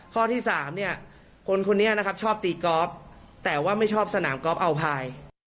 ข้อที่๓เนี่ยคนคนนี้นะครับชอบตีกอล์ฟแต่ว่าไม่ชอบสนามกอล์อัลพาย